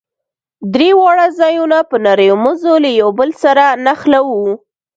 درې واړه ځايونه په نريو مزو له يو بل سره نښلوو.